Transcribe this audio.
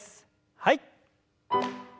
はい。